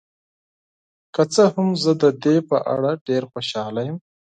که څه هم، زه د دې په اړه ډیر خوشحاله یم.